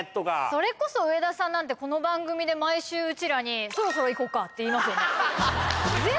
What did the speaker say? それこそ上田さんなんてこの番組で毎週うちらに。って言いますよね。